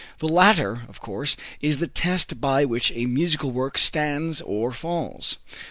The latter, of course, is the test by which a musical work stands or falls.